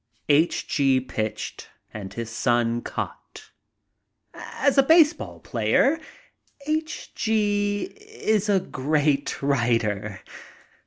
H. G. pitched, and his son caught. As a baseball player H. G. is a great writer.